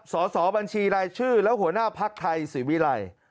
สสบัญชีรายชื่อแล้วหัวหน้าภักษ์ไทยสิวิรัย